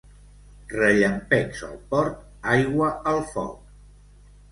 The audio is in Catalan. Rellampecs al Port, aigua al foc.